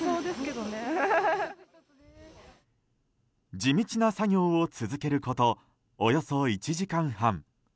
地道な作業を続けることおよそ１時間半。